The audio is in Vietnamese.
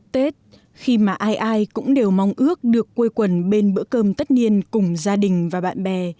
tết khi mà ai ai cũng đều mong ước được quây quần bên bữa cơm tất niên cùng gia đình và bạn bè